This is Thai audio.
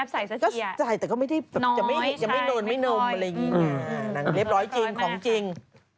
ใส่แต่ก็ไม่ได้จะไม่นมอะไรอย่างนี้อ่ะหนังเล็บร้อยจริงของจริง